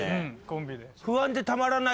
コンビで。